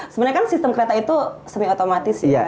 sebenarnya kan sistem kereta itu semi otomatis ya